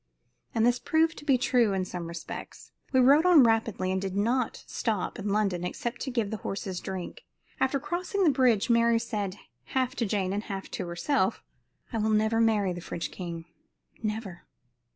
And this proved to be true in some respects. We rode on rapidly and did not stop in London except to give the horses drink. After crossing the bridge, Mary said, half to Jane and half to herself: "I will never marry the French king never."